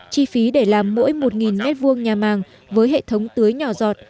chi phí để làm mỗi một m hai nhà màng với hệ thống tưới nhỏ giọt